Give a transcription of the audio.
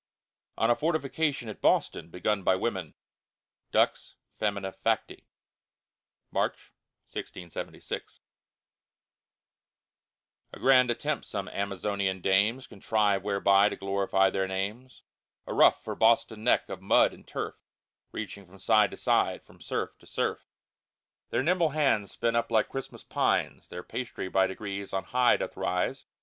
ON A FORTIFICATION AT BOSTON BEGUN BY WOMEN DUX FOEMINA FACTI [March, 1676] A grand attempt some Amazonian Dames Contrive whereby to glorify their names, A ruff for Boston Neck of mud and turfe, Reaching from side to side, from surf to surf, Their nimble hands spin up like Christmas pyes, Their pastry by degrees on high doth rise.